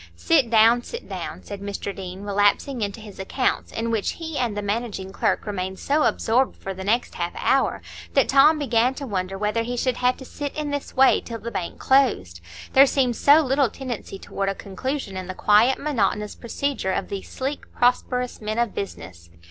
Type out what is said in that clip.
"Sit down, sit down," said Mr Deane, relapsing into his accounts, in which he and the managing clerk remained so absorbed for the next half hour that Tom began to wonder whether he should have to sit in this way till the bank closed,—there seemed so little tendency toward a conclusion in the quiet, monotonous procedure of these sleek, prosperous men of business.